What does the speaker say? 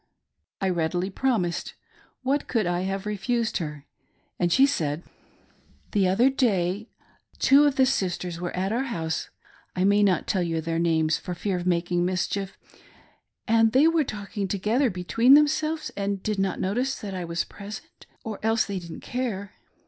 I readily promised — what could I have refused her ?— and she said :" The other day two of the Sisters were at our house — I may not tell you their names for fear of making mischief — and they were talking together between themselves and did not notice that I was present — or else they didn't care.